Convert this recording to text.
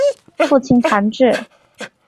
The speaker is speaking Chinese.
父亲谭智。